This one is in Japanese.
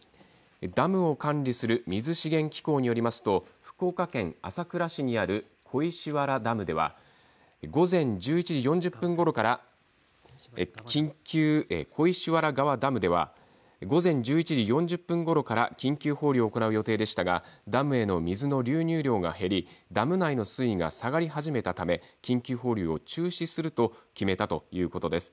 ダムを管理する水資源機構によりますと福岡県朝倉市にある小石原川ダムでは午前１１時４０分ごろから緊急放流を行う予定でしたがダムへの水の流入量が減りダム内の水位が下がり始めたため緊急放流を中止すると決めたということです。